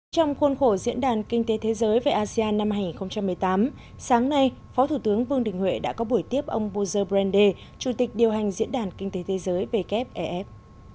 trong khuôn khổ diễn đàn kinh tế thế giới về asean năm hai nghìn một mươi tám sáng nay phó thủ tướng vương đình huệ đã có buổi tiếp ông bozer brande chủ tịch điều hành diễn đàn kinh tế thế giới wfef